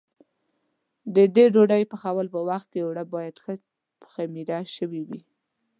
د دې ډوډۍ پخولو په وخت کې اوړه باید ښه خمېره شوي وي.